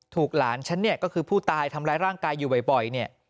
หลานฉันเนี่ยก็คือผู้ตายทำร้ายร่างกายอยู่บ่อยเนี่ย